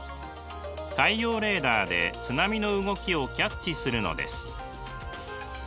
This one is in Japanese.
海洋レーダーで津波の動きをキャッチするのです。